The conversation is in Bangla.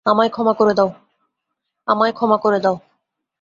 আমায় ক্ষমা করে দাও।